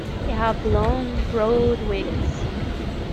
They have long, broad wings.